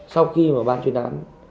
sau khi mà ban chuyên đám